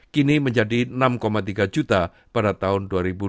kini menjadi enam tiga juta pada tahun dua ribu dua puluh dua